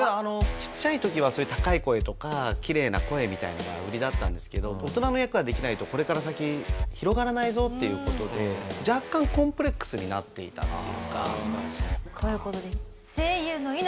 ちっちゃい時はそういう高い声とかキレイな声みたいなのが売りだったんですけど大人の役ができないとこれから先広がらないぞっていう事で若干という事で「“声優の命！